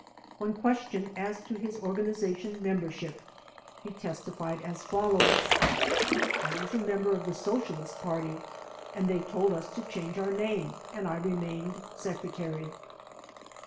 When questioned as to his organization membership he testified as follows: "I was a member of the Socialist Party, and they told us to change our name and I remained Secretary."